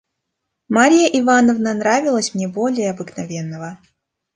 Марья Ивановна нравилась мне более обыкновенного.